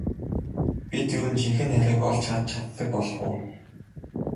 Бид ер нь жинхэнэ хайрыг олж харж чаддаг болов уу?